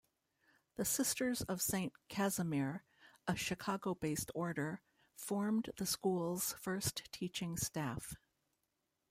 The Sisters of Saint Casimir, a Chicago-based Order, formed the school's first teaching staff.